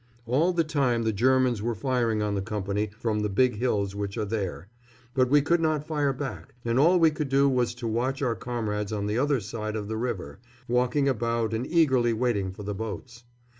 All the time the Germans were firing on the company from the big hills which are there; but we could not fire back, and all we could do was to watch our comrades on the other side of the river, walking about and eagerly waiting for the boats.